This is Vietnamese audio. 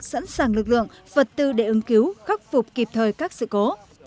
sẵn sàng lực lượng vật tư để ứng cứu khắc phục kịp thời các sự cố